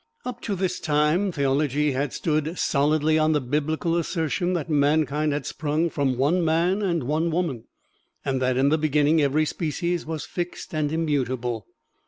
Up to this time theology had stood solidly on the biblical assertion that mankind had sprung from one man and one woman, and that in the beginning every species was fixed and immutable.